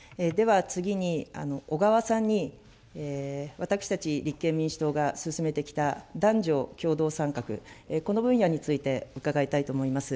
では次に、小川さんに、私たち立憲民主党が進めてきた男女共同参画、この分野について伺いたいと思います。